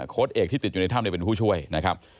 เอกที่ติดอยู่ในถ้ำเป็นผู้ช่วยนะครับ